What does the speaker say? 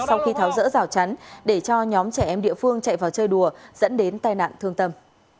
sau khi tháo rỡ rào chắn để cho nhóm trẻ em địa phương chạy vào chơi đùa dẫn đến tai nạn thương tâm